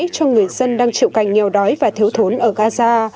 cho người dân đang chịu cành nghèo đói và thiếu thốn ở gaza